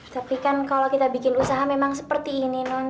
tapi kan kalau kita bikin usaha memang seperti ini non